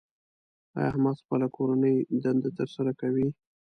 ایا احمد خپله کورنۍ دنده تر سره کوي؟